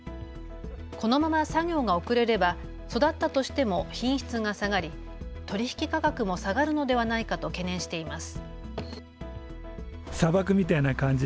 このまま作業が遅れれば育ったとしても品質が下がり取り引き価格も下がるのではないかと懸念しています。